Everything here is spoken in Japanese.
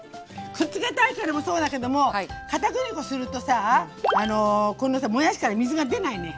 くっつけたいからもそうだけどもかたくり粉するとさこのさもやしから水が出ないね。